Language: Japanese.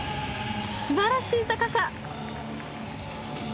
素晴らしい高さ！